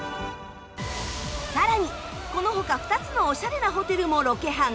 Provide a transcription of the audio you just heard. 更にこの他２つのオシャレなホテルもロケハン。